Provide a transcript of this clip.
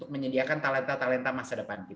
menyediakan talenta talenta masa depan